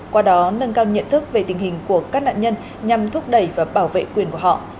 qua đó nâng cao nhận thức về tình hình của các nạn nhân nhằm thúc đẩy và bảo vệ quyền của họ